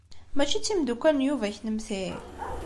Mačči d timeddukal n Yuba kennemti?